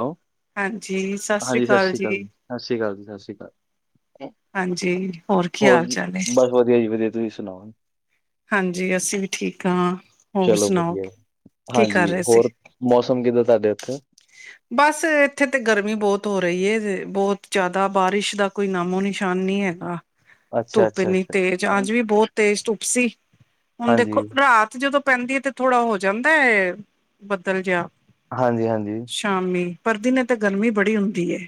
Hello ਹਾਂਜੀ ਸ ਸ੍ਰੀ ਕਾਲ ਜੀ। ਸਸ਼ਰੀ ਕਾਲ ਜੀ ਸ ਸ਼੍ਰੀ ਕਾਲ। ਹਾਂਜੀ, ਹੋਰ ਕੀ ਹਾਲ ਚਾਲ ਏ? ਵਦੀਆ ਵਦੀਆ ਤੁਸੀਂ ਸੁਣਾਓ ਹਾਂਜੀ, ਅਸੀਂ ਵੀ ਠੀਕ ਹਾਂ। ਹੋਰ ਚਲੋ, ਸੁਣਾਓ, ਵਦੀਆ। ਕੀ ਕਰ ਹਾਂਜੀ ਹੋਰ ਮੌਸਮ ਕਿੱਦਾਂ ਤੁਹਾਡੇ ਉੱਥੇ? ਹ [unintelligible] ਬਸ, ਐਥੇ ਤੇ ਗਰਮੀ ਬੋਤ ਹੋ ਰਹੀ ਏ ਬੋਹਤ ਜਿਆਦਾ ਬਾਰਿਸ਼ ਦਾ ਕੋਈ ਨਾਮੋ ਨਿਸ਼ਾਨ ਨੀ ਹੈਗਾ। ਅੱਛਾ, ਧੁੱਪ ਅੱਛਾ, ਇੰਨੀ ਤੇਜ, ਅੱਛਾ। ਅੱਜ ਵੀ ਬੋਤ ਤੇਜ ਧੁੱਪ ਸੀ। ਹੁਣ ਹਾਂਜੀ, ਦੇਖੋ ਰਾਤ ਜਦੋਂ ਪੈਂਦੀ ਏ ਤੇ ਥੋੜ੍ਹਾ ਹੋ ਜਾਂਦੈ ਬਦਲ ਜਿਹਾ ਹਾਂਜੀ-ਹਾਂਜੀ। ਸ਼ਾਮੀ, ਪਰ ਦਿਨੇ ਤੇ ਗਰਮੀ ਬੜੀ ਹੁੰਦੀ ਏ।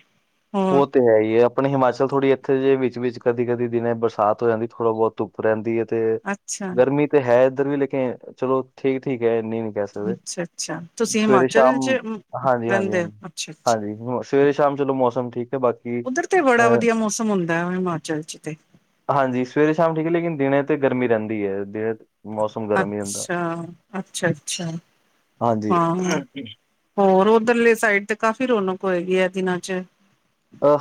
ਹੋਰ, ਓਹ ਤੇ ਹੈ ਹੀ ਏ। ਆਪਣੇ ਹਿਮਾਚਲ ਥੋੜੀ ਐਥੇ ਜਿਵੇਂ ਵਿੱਚ-ਵਿੱਚ ਕਦੀ-ਕਦੀ ਦਿਨੇ ਬਰਸਾਤ ਹੋ ਜਾਂਦੀ ਏ, ਥੋੜ੍ਹਾ-ਬੋਤ। ਧੁੱਪ ਰਹਿੰਦੀ ਏ ਤੇ ਅੱਛਾ, ਗਰਮੀ ਤੇ ਹੈ ਐਧਰ ਵੀ ਲੇਕਿਨ ਚਲੋ ਠੀਕ-ਠੀਕ ਹੈ ਇੰਨੀ ਵੀ, ਕਹਿ ਸਕਦੇ ਅੱਛਾ, ਅੱਛਾ ਤੁਸੀਂ ਹਿਮਾਚਲ ਸਵੇਰੇ-ਸ਼ਾਮ ਚ ਰਹਿੰਦੇ ਹੋ? ਹਾਂਜੀ-ਹਾਂਜੀ-ਹਾਂਜੀ-ਹਾਂਜੀ ਨੋ ਸਵੇਰੇ ਸ਼ਾਮ ਚਲੋ ਮੌਸਮ ਠ ਉਧਰ ਤੇ ਬੜਾ ਵਧੀਆ ਮੌਸਮ ਹੁੰਦੈ, ਹਿਮਾਚਲ ਚ ਤੇ ਹਾਂਜੀ ਸਵੇਰੇ-ਸ਼ਾਮ ਠੀਕ ਹੈ ਲੇਕਿਨ ਦਿਨੇ ਤੇ ਗਰਮੀ ਰਹਿੰਦੀ ਹੈ। ਦਿਨ ਅੱਛਾ, ਅੱਛਾ-ਅੱਛਾ ਹਾਂਜੀ ਹਾਂ? ਹੋਰ ਉੱਧਰਲੇ ਸਾਈਡ ਤੇ ਕਾਫ਼ੀ ਰੌਣਕ ਹੋਏਗੀ ਐ ਦਿਨਾਂ ਚ?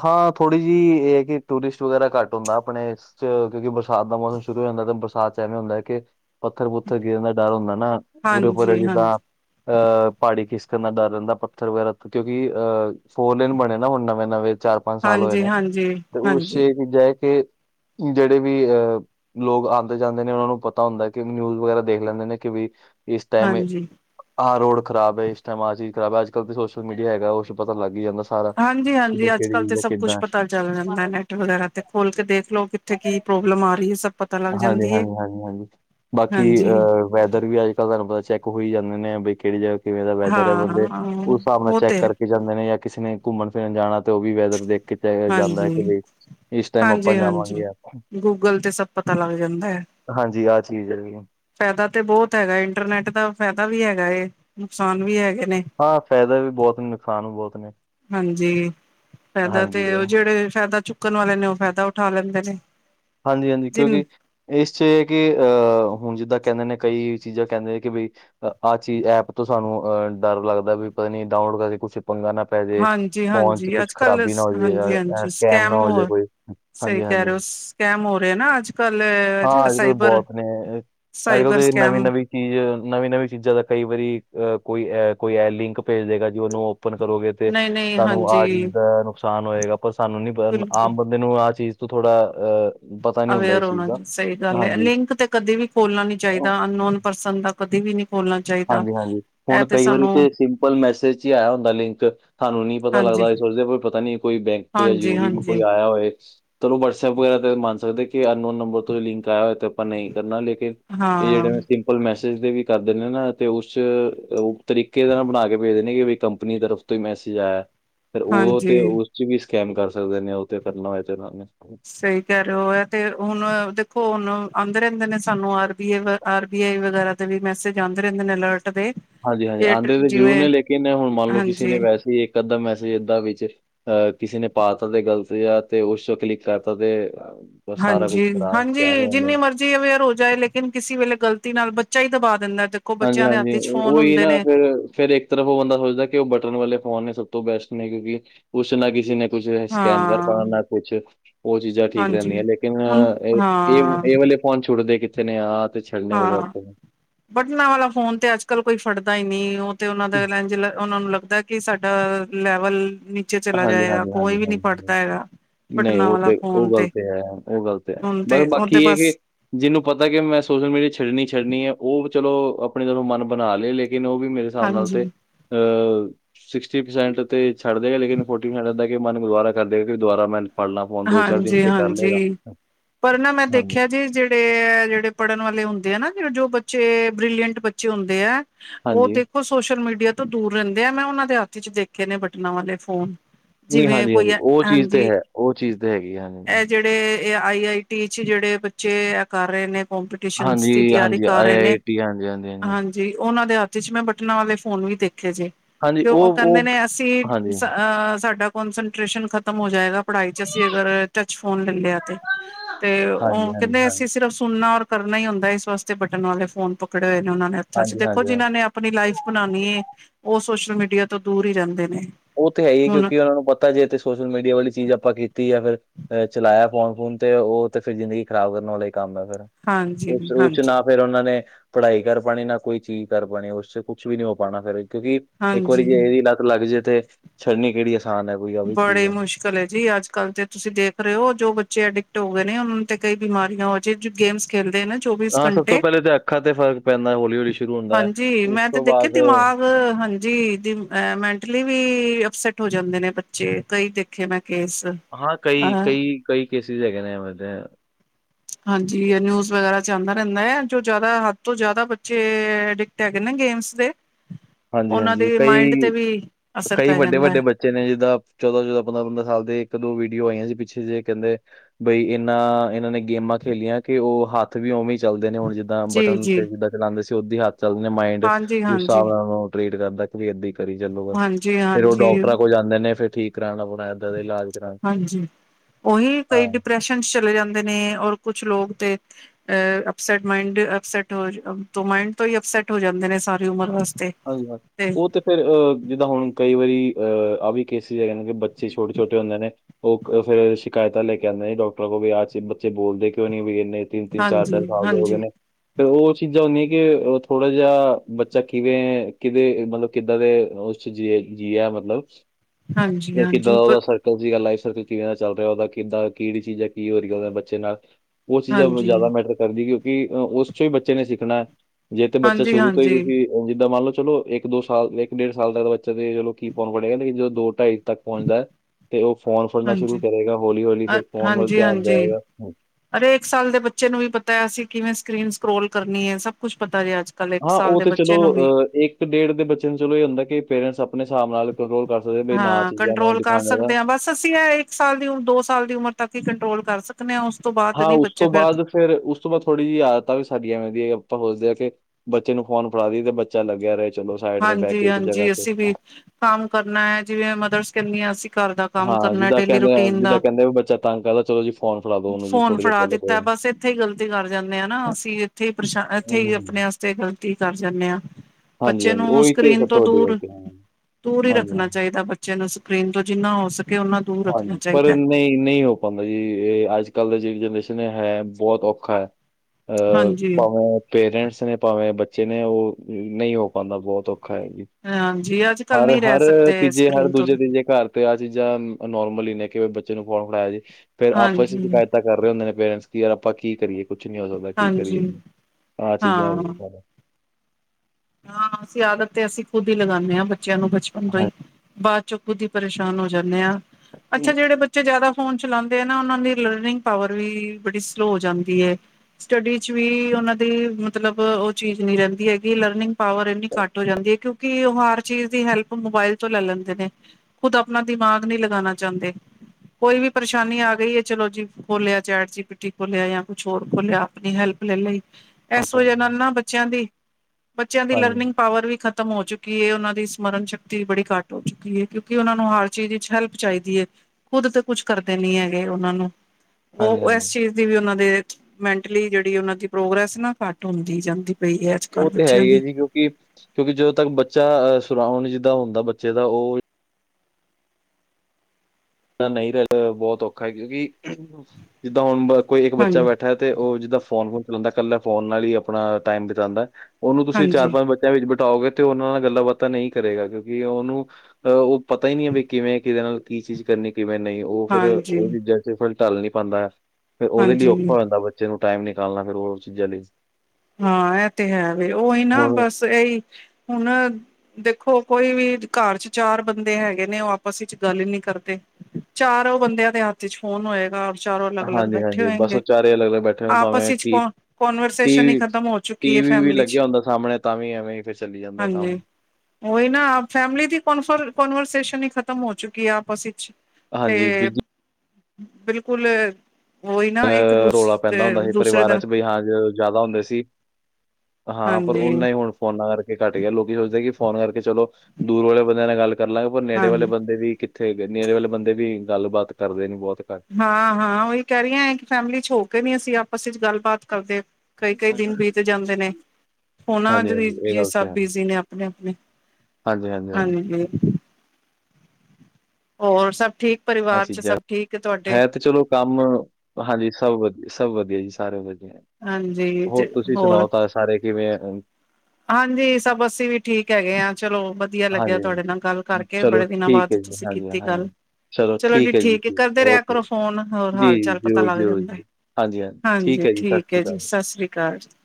ਹਾਂ ਥੋੜ੍ਹੀ ਜਿਹੀ ਇਹ ਹੈ ਕਿ ਟੂਰਿਸਟ ਵਗੈਰਾ ਘੱਟ ਹੁੰਦਾ ਆਪਣੇ ਚ ਕਿਉਂਕਿ ਬਰਸਾਤ ਦਾ ਮੌਸਮ ਸ਼ੁਰੂ ਹੋ ਜਾਂਦਾ ਤੇ ਬਰਸਾਤ ਚ ਐਵੇਂ ਹੁੰਦਾ ਹੈ ਕੇ ਪੱਥਰ ਪੁੱਥਰ ਗਿਰਨ ਦਾ ਡਰ ਹੁੰਦਾ ਨਾ ਉਰੇ ਪਰੇ ਹਾਂਜੀ ਜਿੱਦਾਂ ਹਾਂਜੀ ਅਹ ਪਹਾੜੀ ਖਿਸਕਣ ਦਾ ਡਰ ਰਹਿੰਦਾ ਪੱਥਰ ਵਗੈਰਾ ਕਿਉਂਕਿ ਅਹ ਫੋਰ ਲੇਨ ਬਣੇਆ ਨਾ ਹੁਨ ਨਵੇਂ-ਨਵਚਾਰ ਪੰਜ ਸਾਲ ਹੋਏ ਹਾਂਜੀ ਹਾਂਜੀ ਨੇ ਹਾਂਜੀ ਤੇ ਉਸ ਚ ਹਾਂਜੀ ਇਹ ਚਜ ਕਿ, ਜਿਹੜੇ ਵੀ ਅਹ- ਲੋਕ ਆਉਂਦੇ ਜਾਂਦੇ ਨੇ, ਉਹਨਾਂ ਨੂੰ ਪਤਾ ਹੁੰਦਾ ਕਿ ਨਿਊਜ਼ ਵਗੈਰਾ ਦੇਖ ਲੈਂਦੇ ਨੇ ਕਿ ਬਈ ਇਸ ਟਾਈਮ ਆਹ ਰੋਡ ਖਰਾਬ ਹੈ ਇਸ ਟਾਈਮ ਆਹ ਚੀਜ਼ ਖਰਾਬ ਹੈ ਅੱਜ ਕੱਲ ਤੇ ਸੋਸ਼ਲ ਮੀਡੀਆ ਹੈਗਾ ਉਹ ਪਤਾ ਲੱਗ ਹੀ ਜਾਂਦਾ ਸਾਰ ਹਾਂਜੀ ਹਾਂਜੀ ਅੱਜ ਕੱਲ੍ਹ ਤੇ ਸਭ ਕੁਛ ਪਤਾ ਚੱਲ ਜਾਂਦਾ ਨੈੱਟ ਵਗੈਰਾ ਤੇ ਖੋਲ ਕੇ ਦੇਖਲੋ ਕਿ ਉੱਥੇ ਕੀ ਪ੍ਰੋਬਲਮ ਆ ਰਹੀ ਹੈ ਸਭ ਪਤ ਹਾਂਜੀ, ਹਾਂਜੀ, ਹਾਂਜੀ, ਹਾਂਜੀ ਬਾਕੀ ਹਾਂਜੀ ਐ ਵੈਦਰ ਵੀ ਅੱਜਕੱਲ ਤੁਹਾਨੂੰ ਪਤਾ ਚੈੱਕ ਹੋ ਹੀ ਜਾਂਦੇ ਨੇ ਬਈ ਕਿਹੜ ਜਗ੍ਹਾ ਕਿਵੇਂ ਦਾ ਵੈਦਰ ਐ, ਹਾਂ ਬੰਦੇ ਉਸ ਹਿਸਾਬ ਨਾਲ ਉਹ ਚੈੱਕ ਤੇ ਹੈ। ਕਰਕੇ ਜਾਂਦੇ ਨੇ ਜਾਂ ਕਿਸੇ ਨੇ ਘੁੰਮਣ ਫਿਰਨ ਜਾਣਾ ਤੇ ਉਹ ਵੀ ਵੈਦਰ ਦੇਖ ਕਿਤੇ ਜਾਂਦਾ ਅ ਜਾਂਦਾ ਕਿ ਹਾਂਜੀ ਬੀ ਇਸ ਟਾਈਮ ਆਪਾਂ ਹਾਂਜੀ ਹਾਂਜੀ ਜਾਵਾਂਗੇ ਆਪਾਂ। ਗੂਗਲ ਤੇ ਸਭ ਪਤਾ ਲੱਗ ਜਾਂਦਾ ਆ। ਹਾਂਜੀ ਆਹ ਚੀਜ਼ ਹੈਗੀ। ਫਾਇਦਾ ਤੇ ਬਹੁਤ ਹੈਗਾ ਇੰਟਰਨੈਟ ਦਾ, ਫਾਇਦਾ ਵੀ ਹੈਗਾ ਨੁਕਸਾਨ ਵੀ ਹੈਗੇ ਨੇ। ਹਾਂ ਫਾਇਦਾ ਵੀ ਬਹੁਤ ਨੇ ਨੁਕਸਾਨ ਵੀ ਬਹੁਤ ਨੇ। ਹਾਂਜੀ ਫਾਇਦਾ ਤੇ ਉਹ ਹਾਂਜੀ ਜਿ, ਜਿੜੇ ਫਾਇਦਾ ਚੁੱਕਣ ਵਾਲੇ ਨੇ ਉਹ ਫਾਇਦਾ ਉਠਾ ਲੈਂਦੇ ਨੇ। ਹਾਂਜੀ ਹਾਂਜੀ ਜਿਨ ਕਿਉਂਕਿ ਇਸ ਚ ਇਹ ਕਿ ਅਹ ਹੁਣ ਜਿੱਦਾਂ ਕਹਿੰਦੇ ਨੇ ਕਈ ਚੀਜ਼ਾਂ ਕਹਿੰਦੇ ਨੇ ਕਿ ਬਈ ਆਹ ਚੀਜ਼ ਐਪ ਤੋਂ ਸਾਨੂੰ ਅਹ ਡਰ ਲੱਗਦਾ ਵੀ ਪਤਾ ਨੀ ਡਾਊਨਲੋਡ ਕਰਕੇ ਕੁਛ ਪੰਗਾ ਨਾ ਪੈ ਜੇ, ਹਾਂਜੀ ਫੋਨ ਚ ਹਾਂਜੀ ਕੁਛ ਅੱਜ ਕੱਲ ਖਰਾਬੀ ਨਾ ਹੋ ਜੇ ਹਾਂਜੀ ਹਾਂਜੀ ਸਕੈਮ ਨਾ ਹੋ ਜੇ ਕੋਈ ਸਹੀ ਹਾਂਜੀ ਕਹਿ ਹਾਂਜੀ। ਰਹੇ ਹੋ ਸਕੈਮ ਹੋ ਰਹੇ ਨਾ ਅੱਜ ਕੱਲ ਹਾਂ, ਜਿਹੜਾ ਅੱਜ-ਕੱਲ੍ਹ ਸਾਈਬਰ, ਬਹੁਤ ਨੇ ਅ, ਅੱਜ-ਕੱਲ੍ਹ ਸਾਈਬਰ ਤੇ ਸਕੈਮ ਨਵੀਂ-ਨਵੀਂ ਚੀਜ਼ ਨਵੀਂ ਨਵੀਂ ਚੀਜ਼ਾਂ ਦਾ ਕਈ ਵਾਰੀ ਅ ਕੋਈ, ਕੋਈ ਇਹ ਲਿੰਕ ਭੇਜ ਦੇਗਾ ਜੀ ਉਹਨੂੰ ਓਪਨ ਕਰੋਗੇ। ਤੇ ਨਹੀਂ ਨਹੀਂ ਤਾਨੂੰ ਆਹ ਹਾਂਜੀ ਚੀਜ਼ ਦਾ ਨੁਕਸਾਨ ਹੋਏਗਾ ਪਰ ਸਾਨੂੰ ਨੀ ਪਤਾ ਬਿਲਕੁਲ ਆਮ ਬੰ ਦੇ ਨੂੰ ਆਹ ਚੀਜ਼ ਤੋਂ ਥੋੜਾ ਅ ਪਤਾ ਨਹੀਂ ਹੁੰਦਾ ਅਵੇਅਰ ਇਸ ਚੀਜ਼ ਹੋਣਾ ਦਾ ਜੀ ਸਹੀ ਗੱਲ ਹੈ ਹਾਂਜੀ। ਲਿੰਕ ਤੇ ਕਦੇ ਵੀ ਖੋਲਣਾ ਨੀ ਚਾਹੀਦਾ ਅਨਨੋਨ ਪਰਸਨ ਦਾ ਕਦੇ ਵੀ ਨਹੀ ਖੋਲਣਾ ਚਾਹੀਦਾ ਹਾਂਜੀ-ਹਾਂਜੀ ਇਹ ਹੁਣ ਕਈ ਵਾਰੀ ਸਾਨੂੰ ਤੇ ਸਿੰਪਲ ਮੈਸੇਜ ਚ ਹੀ ਆਇਆ ਹੁੰਦਾ ਲਿੰਕ। ਹਾਨੂੰ ਨਹੀਂ ਪਤਾ ਹਾਂਜੀ ਲੱਗਦਾ ਸੋਚਦੇ ਕੋ ਪਤਾ ਨੀ ਕੋਈ ਬੈਂਕ ਤੋਂ ਜਾਂ ਹਾਂਜੀ ਜ਼ਰੂਰੀ ਕੋਈ ਹਾਂਜੀ ਆਇਆ ਹੋਏ। ਚਲੋ ਵਟਸਐਪ ਵਗੈਰਾ ਤੇ ਮੰਨ ਸਕਦੇ ਕਿ ਅਨੋਨ ਨੰਬਰ ਤੋਂ ਲਿੰਕ ਆਇਆ ਹੋਏ ਤੇ ਆਪਾਂ ਨਹੀਂ ਕਰਨਾ ਲੇਕਿਨ ਇਹ ਜਿਹ੍ੜੇ ਹਾਂ ਨੇ ਸਿੰਪਲ ਮੈਸੇਜ ਦੇ ਵੀ ਕਰਦੇ ਨੇ ਨ ਤੇ ਉਸ ਓ ਤਰੀਕੇ ਨਾਲ ਬਣਾ ਕੇ ਭੇਜ ਦੇ ਨੇ ਕਿ ਕੰਪਨੀ ਦੀ ਤਰਫ ਤੋਂ ਹੀ ਮੈਸੇਜ ਆਇਆ। ਫਿਰ ਉਹ ਤੇ ਹਾਂਜੀ ਉਸ ਚ ਵੀ ਸਕੈਮ ਕਰ ਸਕਦੇ ਨੇ ਉਹ ਤੇ ਕਰਨਾ ਹੋਏ ਤੇ ਉਹਨਾਂ ਨੇ। ਸਹੀ ਕਹਿ ਰਹੇ ਹੋ ਇਹ ਤੇ ਹੁਣ ਦੇਖੋ ਹੁਣ ਆਉਂਦੇ ਰਹਿੰਦੇ ਨੇ ਸਾਨੂੰ R B R B I ਵਗੈਰਾ ਦੇ ਵੀ ਮੈਸੇਜ ਆਉਂਦੇ ਰਹਿੰਦੇ ਨੇ ਅਲਰਟ ਦੇ ਹਾਂਜੀ ਹਾਂਜੀ ਏਟ ਆਉਂਦੇ ਤੇ ਜ਼ਰੂਰ ਜਿਵੇਂ ਨੇ ਲੇਕਿਨ ਹੁਣ ਮੰਨ ਲਓ ਕਿਸੇ ਹਾਂਜੀ ਨੇ ਵੈਸੇ ਈ ਇੱਕ ਅੱਧਾ ਮੈਸੇਜ ਏਦਾਂ ਵਿੱਚ ਅਹ ਕਿਸੇ ਨੇ ਪਾਤਾ ਤੇ ਗਲਤ ਜਿਆ ਤੇ ਉਸ ਚੋ ਕਲਿੱਕ ਕਰਤਾ ਤੇ ਬਸ ਸਾਰਾ ਕੁਝ ਹਾਂਜੀ, ਖ਼ਰਾਬ ਸਕੈਮ ਹਾਂਜੀ ਹੋ ਜਾਂਦਾ। ਜਿੰਨੀ ਮਰਜ਼ੀ ਜੀ ਅਵੇਅਰ ਹੋ ਜਾਏ ਲੇਕਿਨ ਕਿਸੇ ਵੇਲੇ ਗ਼ਲਤੀ ਨਾਲ ਬੱਚਾ ਹੀ ਦਬਾ ਦਿੰਦਾ। ਦੇਖੋ ਹਾਂਜੀ ਬੱਚਿਆਂ ਦੇ ਹਾਂਜੀ ਹੱਥ ਚ ਫੋਨ ਉਹੀ ਹੁੰਦੇ ਨਾ ਨੇ ਫ਼ਿਰ, ਫ਼ਿਰ ਇੱਕ ਤਰ ਉਹ ਬੰਦਾ ਸੋਚਦਾ ਕਿ ਉਹ ਬਟਨ ਵਾਲੇ ਫੋਨ ਹੀ ਸਭ ਤੋਂ ਬੈਸਟ ਨੇ ਕਿਉਂਕਿ ਕੁਛ ਨਾ ਕਿਸੇ ਨੇ ਕੁੱਛ ਇਹ ਸਕੈਮ ਕਰ ਹਾਂ ਪਾਉਣਾ ਨਾ ਕੁਛ। ਉਹ ਚੀਜ਼ਾਂ ਠੀਕ ਹਾਂਜੀ ਰਹਿੰਦੀਆਂ। ਲੇਕਿਨ ਹੁਣ ਇਹ ਹਾਂ ਇਹ ਵਾਲੇ ਫੋਨ ਛੁਟਦੇ ਕਿੱਥੇ ਨੇ ਆ ਹੱਥ ਚ ਹਾ ਬਟਨਾਂ ਵਾਲਾ ਫੋਨ ਤੇ ਅੱਜ ਕੱਲ ਕੋਈ ਫੜਦਾ ਹੀ ਨਈ ਓ ਤੇ ਉਹਨਾਂ ਦਾ ਐਂਜ ਉਹਨਾਂ ਨੂੰ ਲੱਗਦਾ ਕਿ ਸਾਡਾ ਲੈਵਲ ਨੀ ਹਾਂਜੀ ਹਾਂਜੀ ਹਾਂਜੀ ਹਾਂਜੀ ਹ। ਨਹੀਂ ਬਟਨਾਂ ਉਹ ਵਾਲਾ ਤੇ ਫੋਨ ਉਹ ਤੇ ਗਲਤ ਹੈ ਉਹ ਗਲਤ ਹੈ ਹੁਣ ਬਸ ਤੇ ਉਹ ਤੇ ਬਾਕੀ ਇਹ ਹੈ ਕਿ ਬਸ ਜਿਹਨੂੰ ਪਤਾ ਕਿ ਮੈਂ ਸੋਸ਼ਲ ਮੀਡੀਆ ਛੱਡਣੀ ਛੱਡਣੀ ਹੈ ਉਹ ਚਲੋ ਆਪਣੇ ਜਲੋਂ ਮਨ ਬਣਾ ਲਏ ਲੇਕਿਨ ਉਹ ਵੀ ਮੇਰੇ। ਹਿਸਾਬ ਨਾਲ ਹਾਂਜੀ ਤੇ ਅ ਸਿਕਸਟੀ ਪਰਸੈਂਟ ਤੇ ਛੱਡ। ਲੇਕਨ ਫੋਟੀ ਪਰਸੈਂਟ ਰਹਿੰਦਾ ਕਿ ਮਨ ਗੁਆ ਕਰਦੇਗਾ ਕਿ ਦੁਬਾਰ ਮਨ ਹਾਂਜੀ- ਹਾਂਜੀ ਪਰ ਨਾ ਮੈਂ ਹਾਂਜੀ ਦੇਖਿਆ ਜੇ ਜਿਹੜੇ ਜਿਹੜੇ ਪੜ੍ਹਨ ਵਾਲੇ ਹੁੰਦੇ ਆ ਨਾ ਜੋ ਬੱਚੇ ਬ੍ਰਿਲੀਅਂਟ ਬੱਚੇ ਹੁੰਦੇ ਆ। ਉਹ ਹਾਂਜੀ ਦੇਖੋ ਸੋਸ਼ਲ ਮੀਡੀਆ ਤੋਂ ਦੂਰ ਰਹਿੰਦੇ ਆ ਮੈਂ ਉਹਨਾਂ ਦੇ ਹੱਥ ਚ ਦੇਖੇ ਨੇ ਬਟਨਾਂ ਵਾਲੇ ਫੋਨ। ਨਹੀਂ ਜਿਵੇਂ ਹਾਂਜੀ- ਕੋਈ ਹਾਂਜੀ ਉਹ ਚੀਜ਼ ਤੇ ਹੈ ਉਹ ਚੀਜ਼ ਤੇ ਹੈਗੀ ਹੈ। ਇਹ ਜਿਹੜੇ ਇਹ ਆਈ ਆਈ ਟੀ ਚ ਜਿਹੜੇ ਬੱਚੇ ਇਹ ਕਰ ਰਹੇ ਨੇ। ਕੰਪੀਟੀਸ਼ਨਸ ਹਾਂਜੀ ਦੀ ਤਿਆਰੀ ਹਾਂਜੀ ਕਰ ਰਹੇ ਨੇ ਆਈਆਈਟੀ ਹਾਂਜੀ ਹਾਂਜੀ। ਜੀ ਉਹਨਾਂ ਦੇ ਹਥ ਚ ਮੈਂ ਬਟਨਾਂ ਵਾਲੇ ਫੋਨ ਵੀ ਦੇਖੇ ਜੇ। ਕਿ ਉਹ ਕਹਿੰਦੇ ਨੇ ਅਸੀਂ ਹਾਂਜੀ ਅ ਸਾਡਾ ਕੋਂਸਟੇਸ਼ਨ ਖਤਮ ਹੋ ਜਾਏਗਾ ਪੜ੍ਹਾਈ ਅਸੀਂ ਅਗਰ ਟੱਚ ਫੋਨ ਲੈ ਲਿਆ ਤੇ ਤੇ ਹਾਂਜੀ ਉਹ ਹਾਂਜੀ ਹਾਂਜੀ ਕਹਿੰਦੇ ਅਸੀਂ ਸਿਰਫ ਸੁਣਨਾ ਕਰਨਾ ਹੀ ਹੁੰਦਾ ਇਸ ਵਾਸਤੇ ਬਟਨ ਵਾਲੇ ਫੋਨ ਪਕੜੇ ਹੋਏ ਨੇ ਉਹਨਾਂ ਨੇ ਹੱਥਾਂ ਚ ਹਾਂਜੀ ਦੇਖੋ ਹਾਂਜੀ ਹਾਂਜੀ ਜਿਨ੍ਹਾਂ ਨੇ ਆਪਣੀ ਲਾਈਫ਼ ਬਣਾਉਂਣੀ ਹੈ। ਉਹ ਸੋਸ਼ਲ ਮੀਡੀਆ ਤੋਂ ਦੂਰ ਹੀ ਰਹਿੰਦੇ ਨੇ। ਉਹ ਤੇ ਹੈ ਹੀ ਹੁਣ ਕਿਉਂਕਿ ਉਹਨਾਂ ਨੂੰ ਪਤਾ ਜੇ ਇਥੇ ਸੋਸ਼ਲ ਮੀਡੀਆ ਵਾਲੀ ਚੀਜ਼ ਆਪਾਂ ਕੀਤੀ ਜਾਂ ਫਿਰ ਅ ਚਲਾਇਆ ਫੋਨ ਤੇ ਉਹ ਤੇ ਫਿਰ ਜ਼ਿੰਦਗੀ ਖ਼ਰਾਬ ਕਰਨ ਵਾਲੇ ਹੀ ਕੰਮ ਆ ਫਿਰ ਹਾਂਜੀ ਉਸ ਚ ਹਾਂਜੀ ਫੇਰ ਉਹਨਾਂ ਨੇ। ਪੜ੍ਹਾਈ ਕਰ ਪਾਉਣੀ ਨਾ ਕੋਈ ਚੀਜ਼ ਕਰ ਪਾਉਣੀ ਉਸ ਚ ਕੁਛ ਵੀ ਨਹੀਂ ਹੋ ਪਾਉਣਾ ਫਿਰ ਕਿਉਂਕਿ ਇੱਕ ਵਾਰੀ ਜੇ ਹਾਂਜੀ ਇਹਦੀ ਲਤ ਲੱਤ ਲੱਗ ਜੇ ਤੇ ਛੱਡਨੀ ਕਿਹੜੀ ਆਸਾਨ ਹੈ। ਕੋਈ ਆ ਵੀ ਚੀਜ਼ ਬੜੀ ਹੈ। ਮੁਸ਼ਕਿਲ ਜੀ ਅੱਜ ਕੱਲ ਤੇ ਤੁਸੀਂ ਦੇਖ ਰਹੇ ਹੋ ਜੋ ਬੱਚੇ ਅਡਿਕਟ ਹੋ ਗਏ ਨੇ ਉਹਨਾਂ ਨੂੰ ਤੇ ਕਈ ਬਿਮਾਰੀਆਂ ਹੋ ਜਹੀ। ਗੇਮਸ ਖੇਲਦੇ ਨਾ ਚੌਵੀਸ ਹਾਂ, ਸਭ ਤੋਂ ਘੰਟੇ। ਪਹਿਲੇ ਤਾਂ ਅੱਖਾਂ ਤੇ ਫ਼ਰਕ ਪੈਂਦਾ ਹੌਲੀ-ਹੌਲੀ ਸ਼ੁਰੂ ਹੁੰਦਾ ਹੈ, ਹਾਂਜੀ ਉਸ ਮੈਂ ਤੇ ਤੋਂ ਦੇਖੇ ਬਾਅਦ ਦਿਮਾਗ। ਹਾਂਜੀ ਮੈਂਟਲੀ ਵੀ ਅਪਸੈਟ ਹੋ ਜਾਂਦੇ ਨੇ। ਜੇ ਕੋਈ ਦੇਖੇ ਮੈਂ ਕੇਸ ਹਾਂ ਕਈ ਅ ਕਈ ਕਈ ਕੇਸਿਸ ਹੈਗੇ ਨੇ ਐਵੇਂ ਦੇ। ਹਾਂਜੀ ਨਿਊਜ਼ ਵਗੈਰਾ ਚ ਆਉਂਦਾ ਰਹਿੰਦਾ ਹੈ ਜੋ ਜ਼ਿਆਦਾ ਹੱਦ ਤੋਂ ਜ਼ਿਆਦਾ ਬੱਚੇ ਅਡਿਕਟ ਹੈਗੇ ਨੇ ਗੇਮਸ ਦੇ। ਹਾਂਜੀ, ਉਹਨਾਂ ਹਾਂਜੀ, ਦੇ ਮਾਇੰਡ ਕਈ ਤੇ ਵੀ ਅਸਰ ਕਈ ਪੈ ਜਾਂਦਾ ਵੱਡੇ-ਵੱਡੇ ਹੈ। ਬੱਚੇ ਜਿੱਦਾਂ ਚੌਦਾਂ ਚੌਦਾਂ ਪੰਦਰਾਂ ਪੰਦਰਾਂ ਸਾਲ ਦੇ ਇੱਕ ਦੋ ਵੀਡੀਓ ਆਈਆਂ ਸੀ ਪਿੱਛੇ ਜੇਹੇ ਕਹਿੰਦੇ ਬਈ ਇਹਨਾਂ ਇਹਨਾਂ ਨੇ ਗੇਮਾਂ ਖੇਲੀਆਂ ਕਿ ਉਹ ਹੱਥ ਉਵੇਂ ਚੱਲਦੇ ਨੇ ਹੁਣ ਜਿੱਦਾਂ ਜੀ ਬਟਨ ਤੇ ਜੀ ਜਿੱਦਾਂ ਚਲਾਉਂਦੇ ਸੀ ਉਦਾ ਹੀ ਹੱਥ ਚਲਦੇ ਨੇ ਮਾਇੰਡ ਉਸ ਹਾਂਜੀ ਹਿਸਾਬ ਹਾਂਜੀ ਨਾਲ। ਟਰੀਟ ਕਰਦਾ ਕਿ ਵੀ ਇਦਾ ਹੀ ਕਰੀ ਚੱਲੋਗਾ ਹਾਂਜੀ ਉਹ ਹਾਂਜੀ ਡਾਕਟਰਾਂ ਕੋਲ ਜਾਂਦੇ ਨੇ ਫ਼ਿਰ ਠੀਕ ਕਰਾਣਾ ਪਉਣਾ ਏਦਾਂ ਦਾ ਇਲਾਜ ਕਰਾਣਾ। ਹਾਂਜੀ ਉਹੀ ਕਈ ਡਿਪਰੈਸ਼ਨ ਚਲੇ ਜਾਂਦੇ ਨੇ ਔਰ ਕੁਛ ਲੋਕ ਤੇ ਅ ਅਪਸੈਟ ਮਡ ਅਪਸੈਟ ਹੋ ਮਾਇਂਡ ਤੋਂ ਹੀ ਅਪਸੈਟ ਹੋ ਜਾਂਦੇ ਨੇ ਸਾਰੀ ਉਮਰ ਵਾਸਤੇ ਹਾਂਜੀ ਹਾਜੀ ਉਹ ਤੇ ਫੇਰ ਅਹ ਜਿੱਦਾਂ ਹੁਣ ਕਈ ਵਾਰੀ ਅ ਆਹ ਵੀ ਕੇਸਿਸ ਹੈਗੇ ਨੇ ਕਿ ਬੱਚੇ ਛੋਟੇ ਛੋਟੇ ਹੁੰਦੇ ਨੇ ਉਹ ਫੇਰ ਸ਼ਿਕਾਇਤਾਂ ਲੈ ਕੇ ਆਉਂਦੇ ਨੇ ਡਾਕਟਰਾਂ ਕੋਲ ਵੀ ਆਹ ਚ ਬੱਚੇ ਬੋਲਦੇ ਕਿਉਂ ਨੀ ਵੀ ਇੰਨੇ ਤਿੰਨ ਤਿੰਨ ਚਾਰ ਹਾਂਜੀ ਚਾਰ ਸਾਲ ਦੇ ਹੋ ਗਏ ਹਾਂਜੀ ਨੇ ਫਿਰ ਉਹ ਚੀਜ਼ਾਂ ਹੁੰਦੀਆਂ ਕਿ ਥੋੜਾ ਜਿਹਾ ਬੱਚਾ ਕਿਵੇਂ ਕਿਦੇ ਮਤਲਬ ਕਿੱਦਾਂ ਦੇ ਉਸ ਚ ਜੀ ਜੀਆ ਮਤਲਬ ਹਾਂਜੀ ਜ ਕਿੱਦਾਂ ਹਾਂਜੀ ਦਾ ਪਰ ਉਹਦਾ ਸਰਕਲ ਸੀਗਾ ਲਾਈਫ ਸਰਕਲ ਕਿਵੇਂ ਦਾ ਚੱਲ ਰਿਹਾ ਉਹਦਾ ਕਿੱਦਾਂ ਕਿਹੜੀ ਚੀਜ਼ ਹੈ ਕੀ ਹੋ ਰਹੀ ਉਹ ਬੱਚੇ ਨਾਲ ਉਹ ਚੀਜ਼ਾਂ ਹਾਂਜੀ ਜ਼ਿਆਦਾ ਮੈਟਰ ਕਰਦੀ ਕਿਉਂਕਿ ਉਸ ਚੋਂ ਹੀ ਬੱਚੇ ਨੇ ਸਿੱਖਣਾ ਜੇ ਤਾਂ ਬੱਚਾ ਹਾਂਜੀ ਸ਼ੁਰੂ ਤੋਂ ਹੀ ਹਾਂਜੀ ਤੁਸੀਂ ਜਿੱਦਾਂ ਮੰਨ ਲਓ ਚਲੋ ਇੱਕ ਦੋ ਸਾਲ ਇੱਕ ਡੇਢ ਸਾਲ ਤੱਕ ਬੱਚਾ ਤੇ ਚਲੋ ਕੀ ਫੋਨ ਫੜੇਗਾ ਲੇਕਿਨ ਜਦੋਂ ਦੋ ਢਾਈ ਤੱਕ ਪਹੁੰਚਦਾ ਹੈ ਤੇ ਉਹ ਫੋਨ ਫੜਨਾ ਸ਼ੁਰੂ ਹਾਂਜੀ ਕਰੇਗਾ ਹੌਲੀ ਹੌਲੀ ਅ ਫਿਰ ਫੋਨ ਵੱਲ ਹਾਂਜੀ ਧਿਆਨ ਹਾਂਜੀ ਜਾਏਗਾ। ਅਰੇ ਇੱਕ ਸਾਲ ਦੇ ਬੱਚੇ ਨੂੰ ਵੀ ਪਤਾ ਹੈ ਅਸੀਂ ਕਿਵੇਂ ਸਕਰੀਨ ਸਕਰੋਲ ਕਰਨੀ ਹੈ ਸਭ ਕੁੱਛ ਪਤਾ ਰਿਹਾ ਅੱਜ ਕੱਲ੍ਹ ਇੱਕ ਹਾਂ ਸਾਲ ਉਹ ਦੇ ਤੇ ਚਲੋ ਬੱਚੇ ਨੂੰ ਵੀ ਅ ਇੱਕ ਡੇਢ ਦੇ ਬੱਚੇ ਨੂੰ ਚਲੋ ਇਹ ਹੁੰਦਾ ਕਿ ਪੇਰੈਂਟਸ ਆਪਣੇ ਹਿਸਾਬ ਨਾਲ ਕੰਟਰੋਲ ਕਰ ਸਕਦੇ। ਬਈ ਨਾ ਹਾਂ ਚੀਜ਼ਾਂ ਉਹਨਾਂ ਨੂੰ ਕੰਟਰੋਲ ਕਰ ਦਿਖਾਉਣ ਜ਼ਿਆਦਾ ਸਕਦੇ ਹਾਂ ਬਸ ਅਸੀਂ ਇਹ ਇੱਕ ਸਾਲ ਦੀ ਉਮਰ ਦੋ ਸਾਲ ਦੀ ਉਮਰ ਤੱਕ ਹੀ ਕੰਟਰੋਲ ਕਰ ਸਕਨੇ ਹਾਂ ਉਸ ਤੋਂ ਬਾਅਦ ਨੀ ਬੱਚੇ ਫੇਰ ਫੇਰ ਉਸ ਤੋਂ ਬਾਅਦ ਥੋੜੀ ਜਿਹੀ ਆਦਤਾਂ ਵੀ ਸਾਡੀਆਂ ਮਹਂਦੀਆਂ ਆਪਾਂ ਸੋਚਦੇ ਹਾਂ ਕਿ ਬੱਚੇ ਨੂੰ ਫੋਨ ਫੜਾ ਦਈਦਾ ਤੇ ਬੱਚਾ ਲੱਗਿਆ ਰਹੇ ਚਲੋ ਸਾਈਡ ਤੇ ਬਹਿ ਕੇ ਇੱਕ ਜਗ੍ਹਾ ਹਾਂਜੀ-ਹਾਂਜੀ ਤੇ ਅਸੀਂ ਵੀ ਕੰਮ ਕਰਨਾ ਹੈ ਜਿਵੇਂ ਮਦਰਸ ਕਹਿੰਦੀਆ ਜਿਵੇਂ ਅਸੀਂ ਘਰ ਦਾ ਕੰਮ ਹਾਂ ਕਰਨਾ ਜਿੱਦਾਂ ਡੇਲੀ ਕਹਿੰਦੇ ਆ ਰੂਟੀਨ ਜਿੱਦਾਂ ਦਾ ਕਹਿੰਦੇ ਆ ਵੀ ਬੱਚਾ ਤੰਗ ਕਰਦਾ ਚਲੋ ਜੀ ਫੋਨ ਫੜਾ ਦਿਓ ਉਹਨੂੰ ਜੀ ਫੋਨ ਥੋੜ੍ਹੀ ਦੇਰ ਫੜਾ ਚਲੋ ਕੋਈ ਦਿੱਤਾ ਬਸ ਇੱਥੇ ਹੀ ਗ਼ਲਤੀ ਕਰ ਜਾਂਦੇ ਆ ਨਾ ਅਸੀਂ ਇੱਥੇ ਇੱਥੇ ਹੀ ਨਹੀਂ ਆਪਣੇ ਵਾਸਤੇ ਗ਼ਲਤੀ ਕਰ ਜਾਂਦੇ ਹਾਂ ਹਾਂਜੀ, ਬੱਚੇ ਹਾਂਜੀ ਨੂੰ ਉਹੀ ਤੇ ਸਕਰੀਨ ਸਭ ਤੋਂ ਵੱਡੀ ਦੂਰ ਗਲਤੀ ਹੈ ਦੂਰ ਹੀ ਹਾਂਜੀ, ਰੱਖਣਾ ਹਾਂਜੀ, ਚਾਹੀਦਾ ਬ ਬੱਚੇ ਨੂੰ ਸਕਰੀਨ ਤੋਂ ਜਿੰਨਾ ਹੋ ਸਕੇ ਉਨਾਂ ਹਾਂਜੀ ਪਰ ਨਹੀਂ ਨਹੀਂ ਉਹ ਮਤਲਬ ਜੀ ਇਹ ਅੱਜ ਕੱਲ੍ਹ ਦੇ ਜਿਹੜੀ ਜਨਰੇਸ਼ਨ ਹੈ ਬਹੁਤ ਔਖਾ ਹੈ ਅਹ ਹਾਂਜੀ ਭਾਵੇਂ ਪੇਰੈਂਟਸ ਨੇ ਭਾਵੇਂ ਬੱਚੇ ਨੇ ਉਹ ਨਹੀਂ ਹੋ ਪਾਉਂਦਾ ਬਹੁਤ ਔਖਾ ਹੈ ਜੀ ਹ ਹਾਂਜੀ ਕੱਲ੍ਹ ਹਰ ਨਹੀਂ ਰਹਿ ਹਰ ਸਕਦੇ ਤੀਜੇ ਹਰ ਸਕਰੀਨ ਤੋਂ ਦੂਜੇ ਤੀਜੇ ਘਰ ਆਹ ਚੀਜ਼ਾਂ ਨੋਰਮਲ ਹੀ ਨੇ ਕਿਵੇਂ ਬੱਚੇ ਨੂੰ ਫੋਨ ਫੜਾਇਆ ਜੀ ਫੇਰ ਆਪਸ ਚ ਹਾਂਜੀ ਸ਼ਿਕਾਇਤ ਕਰ ਰਹੇ ਹੁੰਦੇ ਨੇ ਪੇਰੈਂਟਸ ਕਿ ਯਾਰ ਆਪਾਂ ਕੀ ਕਰੀਏ ਕੁਛ ਨੀ ਹੋ ਸਕਦਾ ਕੀ ਕਰੀਏ ਹਾਂਜੀ ਆਹ ਚੀਜ਼ਾਂ ਹੋ ਹਾਂ ਸਾਰ ਹਾਂ ਅਸੀਂ ਆਦਤ ਤੇ ਅਸੀਂ ਖੁਦ ਹੀ ਲਗਾਉਂਦੇ ਹਾਂ ਬੱਚਿਆਂ ਨੂੰ ਬਚਪਨ ਤੋਂ ਹੀ ਬਾਅਦ ਬਾਅਦ ਚ ਖੁਦ ਹੀ ਪਰੇਸ਼ਾਨ ਹੋ ਜਾਂਦੇ ਆ ਅੱਛਾ ਜਿਹੜੇ ਬ ਜਿਆਦਾ ਫੋਨ ਚਲਾਉਂਦੇ ਆ ਨਾ ਉਹਨਾਂ ਦੀ ਲਰਨਿੰਗ ਪਾਵਰ ਵੀ ਬੜੀ ਸਲੋ ਹੋ ਜਾਂਦੀ ਹੈ ਸਟੱਡੀ ਚ ਵੀ ਉਹਨਾਂ ਦੀ ਮਤਲਬ ਉਹ ਚੀਜ਼ ਨਹੀਂ ਰਹਿੰਦੀ ਹੈਗੀ ਲਰਨਿੰਗ ਪਾਵਰ ਇੰਨੀ ਘੱਟ ਹੋ ਜਾਂਦੀ ਹੈ ਕਿਉਂਕਿ ਉਹ ਹਰ ਚੀਜ਼ ਦੀ ਹੈਲਪ ਮੋਬਾਇਲ ਤੋਂ ਲੈ ਲੈਂਦੇ ਨੇ ਖੁਦ ਆਪਣਾ ਦਿਮਾਗ ਨਹੀਂ ਲਗਾਉਣਾ ਚਾਹੁੰਦੇ ਕੋਈ ਵੀ ਪਰੇਸ਼ਾਨੀ ਆ ਗਈ ਹੈ ਚਲੋ ਜੀ ਖੋਲਿਆ ਚੈਟ ਜੀ ਪੀ ਟੀ ਖੋਲਿਆ ਜਾਂ ਕੁਛ ਹੋਰ ਖੋਲਿਆ ਆਪਣੀ ਹੈਲਪ ਲੈ ਲਈ ਇਸ ਹਾਂਜੀ ਵਜਾ ਨਾਲ ਨਾ ਬੱਚਿਆਂ ਦੀ ਬੱਚਿਆਂ ਦੀ ਹਾਂਜੀ ਲਰਨਿੰਗ ਪਾਵਰ ਵੀ ਖ਼ਤਮ ਹੋ ਚੁੱਕੀ ਹੈ ਉਹਨਾਂ ਦੀ ਸਮਰਨ ਸ਼ਕਤੀ ਬੜੀ ਘੱਟ ਹੋ ਚੁੱਕੀ ਹੈ ਕਿਉਂਕਿ ਉਹਨਾਂ ਨੂੰ ਹਰ ਚੀਜ਼ ਵਿੱਚ ਹੈਲਪ ਚਾਹੀਦੀ ਹੈ ਖੁਦ ਤੇ ਕੁੱਝ ਕਰਦੇ ਨੀ ਹੈਗੇ ਉਹਨਾਂ ਨੂੰ ਹਾਂਜੀ ਉਹ ਹਾਂਜੀ ਇਸ ਚੀਜ਼ ਦੀ ਵੀ ਉਹਨਾਂ ਦੇ ਮੈਂਟਲੀ ਜਿਹੜੀ ਉਹਨਾਂ ਦੀ ਪ੍ਰੋਗੈਸ ਨਾ ਘੱਟ ਹੁੰਦੀ ਜਾਂਦੀ ਪਈ ਹੈ ਉਹ ਕੱਲ੍ਹ ਤੇ ਹੈ ਬੱਚਿਆਂ ਹੀ ਹੈ ਦੀ ਜੀ ਕਿਉਂਕਿ ਕਿਉਂਕਿ ਜਦੋਂ ਤੱਕ ਬੱਚਾ ਅ ਸੁਰਾਉਡ ਜਿੱਦਾਂ ਹੁੰਦਾ ਬੱਚੇ ਦਾ ਉਹ ਨਹੀਂ ਰਹਿ ਬਹੁਤ ਔਖਾ ਕਿਉਂਕਿ ਜਿੱਦਾਂ ਹੁਣ ਕੋਈ ਇੱਕ ਬੱਚਾ ਹਾਂਜੀ ਬੈਠਾ ਤੇ ਉਹ ਜਿੱਦਾਂ ਫੋਨ ਫੂਨ ਚਲਾਉਂਦਾ ਕੱਲਾ ਫੋਨ ਨਾਲ ਹੀ ਆਪਣਾ ਟਾਈਮ ਬਿਤਾਉਂਦਾ ਉਹਨੂੰ ਤੁਸੀਂ ਚਾਰ ਹਾਂਜੀ ਪੰਜ ਬੱਚੇ ਵਿੱਚ ਬਿਠਾਓਗੇ ਤੇ ਉਹਨਾਂ ਨਾਲ ਗੱਲਾਂ ਬਾਤਾਂ ਨਹੀਂ ਕਰੇਗਾ ਕਿਉਂਕਿ ਉਹਨੂੰ ਅਹ ਪਤਾ ਹੀ ਨਹੀਂ ਹੈ ਵੀ ਕਿਵੇਂ ਕਿਹਦੇ ਨਾਲ ਕੀ ਚੀਜ਼ ਕਰਨੀ ਕਿਵੇਂ ਨਹੀਂ ਉਹ ਫ਼ਿਰ ਹਾਂਜੀ ਉਹ ਚੀਜ਼ਾਂ ਫਿਰ ਢੱਲ ਨੀ ਪਾਉਂਦਾ ਫਿਰ ਉਹਦੇ ਲਈ ਹਾਂਜੀ ਔਖਾ ਹੋ ਜਾਂਦਾ ਬੱਚੇ ਨੂੰ ਟਾਈਮ ਨਿਕਾਲਣਾ ਫੇਰ ਉਹ ਚੀਜ਼ਾਂ ਲਈ ਹਾਂ ਇਹ ਤੇ ਹੈ ਵੇ ਉਹੀ ਨਾ ਹੁਣ ਬਸ ਇਹੀ ਹੁਣ ਦੇਖੋ ਕੋਈ ਵੀ ਘਰ ਚ ਚਾਰ ਬੰਦੇ ਹੈਗੇ ਨੇ ਉਹ ਆਪਸ ਵਿਚ ਗੱਲ ਹੀ ਨਹੀਂ ਕਰਦੇ। ਚਾਰੋਂ ਬੰਦਿਆਂ ਦੇ ਹੱਥ ਚ ਫੋਨ ਹੋਏਗਾ। ਚਾਰੋਂ ਅਲੱਗ ਅਲੱਗ ਹਾਂਜੀ ਬੈਠੇ ਹਾਂਜੀ ਬਸ ਹੋਏਗੇ ਉਹ ਚਾਰੇ ਅਲੱਗ ਅਲੱਗ ਬੈਠੇ ਹੋ ਆਪਸ ਭਾਵੇਂ ਵਿੱਚ ਕੋ ਕਨਵਰਸੇਸ਼ਨ ਹੀ ਟੀਵੀ ਖਤਮ ਹੋ ਚੁੱਕੀ ਹੈ ਟੀਵੀ ਵੀ ਫੈਮਿਲੀ ਚ ਲੱਗਿਆ ਹੁੰਦਾ ਸਾਹਮਣੇ ਤਾਂ ਵੀ ਐਵੇਂ ਹੀ ਫਿਰ ਚੱਲੀ ਜਾਂਦਾ ਕੰਮ। ਹੋਈ ਨਾ ਫੈਮਲੀ ਦੀ ਕੋਨਵਰਸੇਸ਼ਨਨ ਹੀ ਖਤਮ ਹੋ ਚੁੱਕੀ ਹੈ ਆਪਸ ਵਿੱਚ। ਤੇ ਹਾਂਜੀ, ਬਿਜੀ ਬਿਲਕੁਲ ਉਹੀ ਨਾ ਇੱਕ ਅਹ ਦੂਸ ਰੌਲਾ ਪੈਂਦਾ ਹੁੰਦਾ ਸੀ ਦੂਸਰੇ ਪਰਿਵਾਰਾਂ ਦਿਨ ਚ ਬਈ ਹਾਂ ਜ਼ਿਆਦਾ ਹੁੰਦੇ ਸੀ ਹਾਂ ਪਰ ਹਾਂਜੀ ਓਨੇ ਹੁਣ ਫੋਨਾਂ ਕਰਕੇ ਘੱਟ ਗਿਆ ਲੋਕੀ ਸੋਚਦੇ ਕਿ ਫੋਨ ਕਰਕੇ ਚਲੋ ਦੂਰ ਵਾਲੇ ਬੰਦਿਆਂ ਨਾਲ ਗੱਲ ਕਰ ਲਾਂ। ਪਰ ਨੇੜੇ ਵਾਲੇ ਹਾਂਜੀ ਬੰਦੇ ਵੀ ਕਿੱਥੇ ਨੇੜੇ ਵਾਲੇ ਬੰਦੇ ਵੀ ਗੱਲਬਾਤ ਕਰਦੇ ਨੀ ਬਹੁਤ ਘੱਟ। ਹਾਂ ਹਾਂ ਉਹੀ ਕਹਿ ਰਹੀ ਆਂ ਕਿ ਫੈਮਿਲੀ ਚ ਹੋ ਕੇ ਨੀ ਅਸੀਂ ਆਪਸ ਵਿੱਚ ਗੱਲਬਾਤ ਕਰਦੇ ਕਈ ਕਈ ਦਿਨ ਬੀਤ ਜਾਂਦੇ ਨੇ ਉਹਨਾਂ ਹਾਂਜੀ ਹਾਂਜੀ ਇਹ ਜੀ ਗੱਲ ਤੇ ਸਭ ਹੈ ਬਿਜ਼ੀ ਨੇ ਆਪਣੇ ਆਪਣੇ ਹਾਂਜੀ ਹਾਂਜੀ ਹਾਂਜੀ ਬਿਲ ਹੋਰ ਸਭ ਠੀਕ ਆਹ ਪਰਿਵਾਰ ਚ ਚੀਜ਼ਾਂ ਸਭ ਠੀਕ ਏ ਤੁਹਾਡੇ ਹੈ ਤੇ ਚਲੋ ਕੰਮ ਹਾਂਜੀ ਸਭ ਵਧੀਆ ਸਭ ਵਧੀਆ ਜੀ ਸਾਰੇ ਵਧੀਆ ਹਾਂਜੀ ਹੋਰ ਤੁਸੀਂ ਹੋਰ ਸੁਣਾਓ ਤਾਂ ਸਾਰੇ ਕਿਵੇਂ ਐ ਹੁਣ ਹਾਂਜੀ ਸਭ ਅੱਸੀ ਵੀ ਠੀਕ ਹੈਗੇ ਆਂ ਚਲੋ ਬ ਧੀਆ ਲੱਗਿਆ ਹਾਂਜੀ ਤੁਹਾਡੇ ਨਾਲ ਗੱਲ ਕਰਕੇ ਚਲੋ ਬੜੇ ਦਿਨਾਂ ਠੀਕ ਬਾਅਦ ਹੈ ਜੀ ਤੁਸੀਂ ਹਾਂਜੀ ਕੀਤੀ ਗੱਲ ਹਾਂਜੀ ਚਲੋ ਜੀ ਹੈ ਠੀਕ ਕਰਦੇ ਰਿਹਾ ਓਕੇ ਕਰੋ ਫੋਨ ਹੋਰ ਜੀ ਹਾਲ ਚਾਲ ਪਤਾ ਜ਼ਰੂਰ, ਲੱਗ ਜ਼ਰੂਰ ਜਾਂਦਾ ਐ ਜੀ, ਹਾਂਜੀ-ਹਾਂਜੀ ਹਾਂਜੀ ਜੀ, ਸਤਿ ਠੀਕ ਹੈ ਸ਼੍ਰੀ ਜੀ ਅਕਾਲ। ਸਤ ਸ੍ਰੀ ਕਾਲ ਜੀ